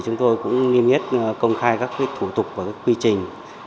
chúng tôi cũng nghiêm yết công khai các thủ tục và quy trình